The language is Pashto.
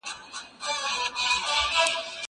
دا ليک له هغه ښه دی؟